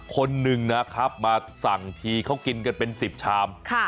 คนหนึ่งนะครับมาสั่งทีเขากินกันเป็น๑๐ชาม